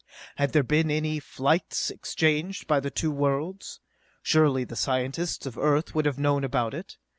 Had there been any flights exchanged by the two worlds, surely the scientists of Earth would have known about it.